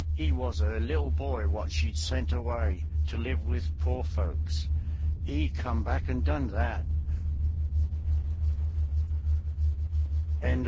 'E was 'er little boy wot she'd sent away to live wiv poor folks. 'E come back and done that."